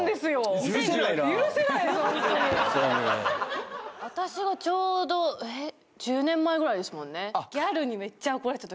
ホントに私がちょうどえっ１０年前ぐらいですもんねじゃ